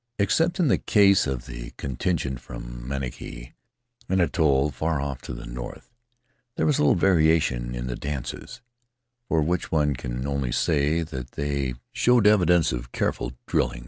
Except in the case of the contingent from Manihiki — an atoll far off to the north — there was little varia tion in the dances, for which one can only say that they showed evidence of careful drilling.